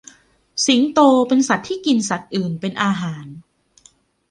สิงโตเป็นสัตว์ที่กินสัตว์อื่นเป็นอาหาร